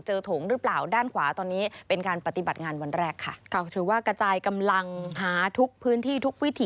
เจอถงหรือเปล่าด้านขวาตอนนี้